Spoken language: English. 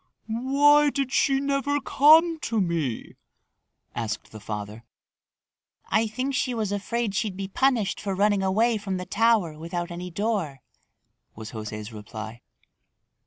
"Why did she never come to me?" asked the father. "I think she was afraid she'd be punished for running away from the tower without any door," was José's reply.